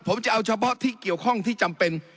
ผมจะเอาเฉพาะที่เกี่ยวข้องที่จำเป็น